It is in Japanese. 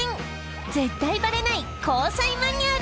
絶対バレない交際マニュアル。